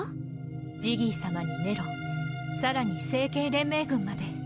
ジギーさまにネロさらに星系連盟軍まで。